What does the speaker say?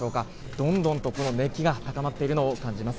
どんどんとこの熱気が高まっているのを感じます。